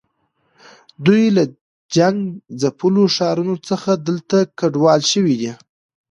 دوی له جنګ ځپلو ښارونو څخه دلته کډوال شوي دي.